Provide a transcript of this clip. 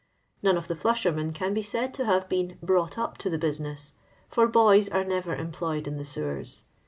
None of the flushermen can be said to have been " brought up to the business," for boys arc never employed in the sewers.